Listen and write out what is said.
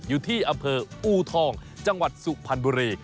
อยู่ที่อำเภออูทองจังหวัดสุพรรณบุรี